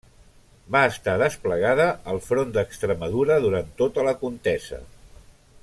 Va estar desplegada al front d'Extremadura durant tota la contesa.